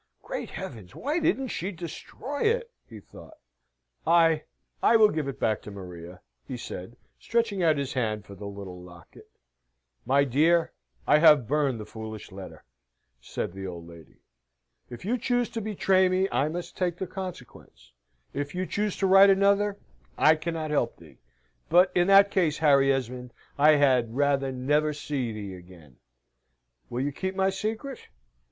"Great heavens! why didn't she destroy it?" he thought. "I I will give it back to Maria," he said, stretching out his hand for the little locket. "My dear, I have burned the foolish letter," said the old lady. "If you choose to betray me I must take the consequence. If you choose to write another, I cannot help thee. But, in that case, Harry Esmond, I had rather never see thee again. Will you keep my secret?